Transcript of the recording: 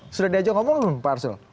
sudah diajak ngomong pak arsul